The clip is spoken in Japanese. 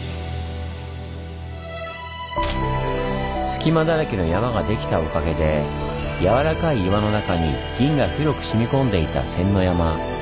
隙間だらけの山ができたおかげでやわらかい岩の中に銀が広く染み込んでいた仙ノ山。